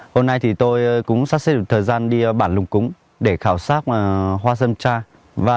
hôm nay tôi cũng sắp xếp được thời gian đi bản lùng cúng để khảo sát hoa sơn cha